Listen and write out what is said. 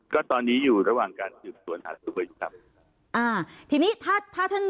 ก็ตอนนี้อยู่ระหว่างการถือตัวอ่าทีนี้ถ้าถ้าท่าน